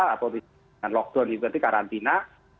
atau dengan lockdown itu nanti karantina